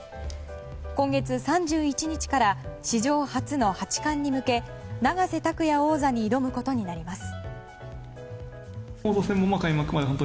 今月３１日から史上初の八冠に向け永瀬拓矢王座に挑むことになります。